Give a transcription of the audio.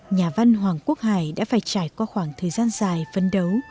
nhà văn hoàng quốc hải đã phải trải qua khoảng thời gian dài phấn đấu